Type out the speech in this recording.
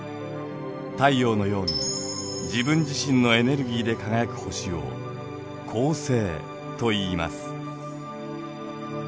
太陽のように自分自身のエネルギーで輝く星を恒星といいます。